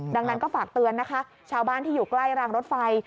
ดังนั้นก็ฝากเตือนนะคะชาวบ้านที่อยู่ใกล้รางรถไฟ